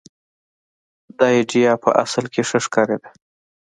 دا اېډیا په اصل کې ښه ښکارېده.